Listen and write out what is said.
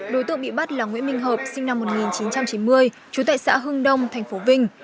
đối tượng bị bắt là nguyễn minh hợp sinh năm một nghìn chín trăm chín mươi chú tại xã hưng đông thành phố vinh